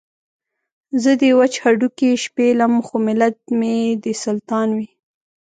زه دې وچ هډوکي شپېلم خو ملت مې دې سلطان وي.